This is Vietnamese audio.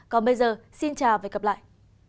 còn bây giờ xin chào và hẹn gặp lại